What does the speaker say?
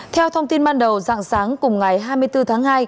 theo thông tin ban đầu dạng sáng cùng ngày hai mươi bốn tháng hai